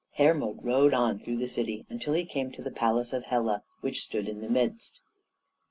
Hermod rode on through the city until he came to the palace of Hela, which stood in the midst.